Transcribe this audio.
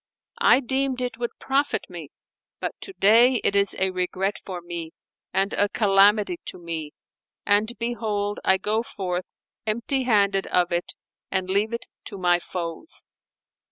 I deemed it would profit me, but to day it is a regret for me and a calamity to me, and behold, I go forth, empty handed of it, and leave it to my foes."